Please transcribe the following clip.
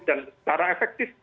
dan secara efektif